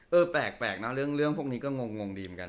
แปลกนะเรื่องพวกนี้ก็งงดีเหมือนกัน